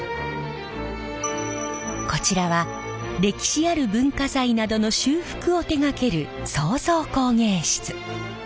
こちらは歴史ある文化財などの修復を手がける創造工芸室。